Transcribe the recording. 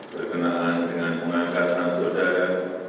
berkenaan dengan pengangkatan saudara